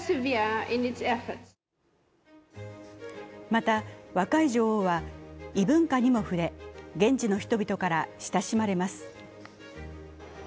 また、若い女王は異文化にも触れ、現地の人々から親しまれます